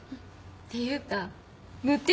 っていうか無敵？